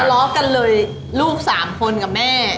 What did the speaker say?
ทะเลากันเลยลูกสามคนกับแม่